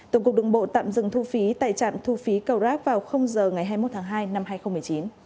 tổng cục đường bộ tạm dừng thu phí tại trạm thu phí cầu rác vào giờ ngày hai mươi một tháng hai năm hai nghìn một mươi chín